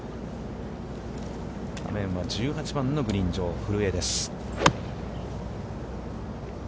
画面は１８番のグリーン上、古江です。